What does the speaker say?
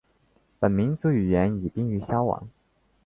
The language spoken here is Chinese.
本民族语言已濒于消亡。